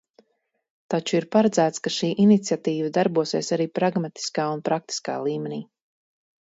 Taču ir paredzēts, ka šī iniciatīva darbosies arī pragmatiskā un praktiskā līmenī.